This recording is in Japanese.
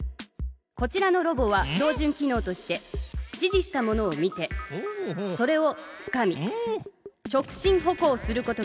こちらのロボは標じゅん機のうとして指じしたものを見てそれをつかみ直進歩行することができる！